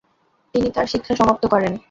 তিনি তার শিক্ষা সমাপ্ত করেন।